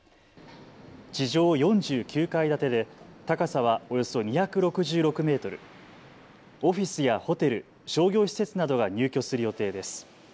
地上４９階建てで高さはおよそ２６６メートル、オフィスやホテル、商業施設などが入居する予定です。